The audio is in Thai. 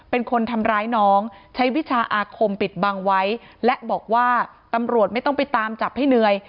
เป็นคนทำร้ายน้องใช้วิชาอาคมปิดบังไว้และบอกว่าตำรวจไม่ต้องไปตามจับให้เหนื่อย